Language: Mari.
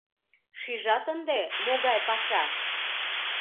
— Шижат ынде, могай паша?